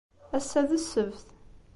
Ass-a d ssebt.